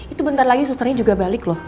itu bentar lagi susternya juga balik loh